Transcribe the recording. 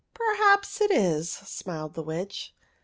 " Perhaps it is," smiled the Witch.